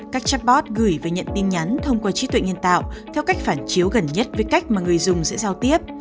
các chatbot gửi và nhận tin nhắn thông qua trí tuệ nhân tạo theo cách phản chiếu gần nhất với cách mà người dùng sẽ giao tiếp